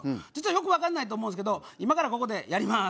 よくわからないと思うんですけど今からここでやります。